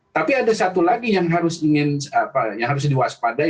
tapi ada satu lagi yang harus diwaspadai